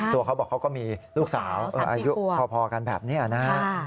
เขาบอกเขาก็มีลูกสาวอายุพอกันแบบนี้นะฮะ